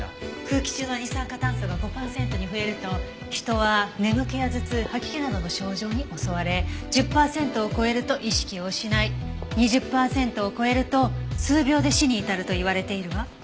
空気中の二酸化炭素が５パーセントに増えると人は眠気や頭痛吐き気などの症状に襲われ１０パーセントを超えると意識を失い２０パーセントを超えると数秒で死に至るといわれているわ。